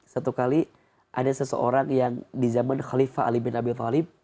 satu kali ada seseorang yang di zaman khalifah ali bin abdul talib